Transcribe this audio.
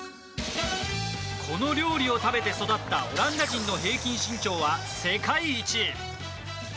この料理を食べて育ったオランダ人の平均身長は世界一。